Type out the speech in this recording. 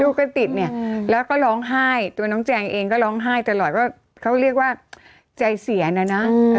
ลูกก็ติดเนี่ยแล้วก็ร้องไห้ตัวน้องแจงเองก็ร้องไห้ตลอดว่าเขาเรียกว่าใจเสียนะนะ